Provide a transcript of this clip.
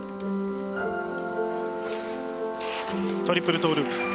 トリプルトーループ。